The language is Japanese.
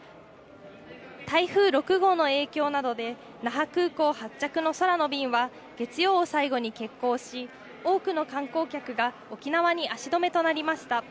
台風６号の影響などで、那覇空港発着の空の便は月曜を最後に欠航し、多くの観光客が沖縄に足止めとなりました。